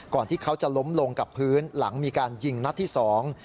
ที่เขาจะล้มลงกับพื้นหลังมีการยิงนัดที่สอง